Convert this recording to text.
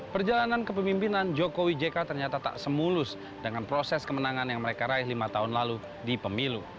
perjalanan kepemimpinan jokowi jk ternyata tak semulus dengan proses kemenangan yang mereka raih lima tahun lalu di pemilu